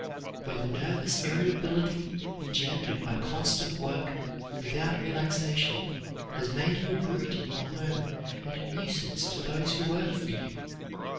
When the nervous irritability engendered by constant work, without relaxation, has made you a brute in your home and a nuisance to those who work for you.